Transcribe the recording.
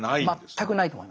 全くないと思いますね。